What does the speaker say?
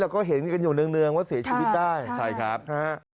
เราก็เห็นอยู่เนืองว่าเสียชีวิตได้